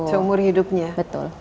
seumur hidupnya betul